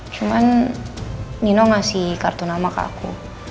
cuman nino ngasih kartu nama ke aku